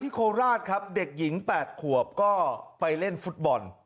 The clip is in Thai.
โคราชครับเด็กหญิง๘ขวบก็ไปเล่นฟุตบอล